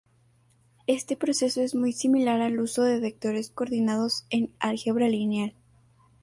Este proceso es muy similar al uso de vectores coordinados en álgebra lineal.